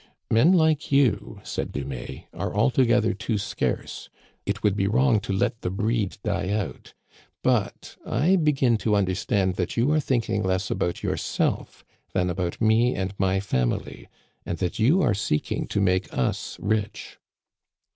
" Men like you," said Dumais, " are altogether too scarce. It would be wrong to let the breed die out. But I begin to understand that you are thinking less about yourself than about me and my family, and that you are seeking to make us rich."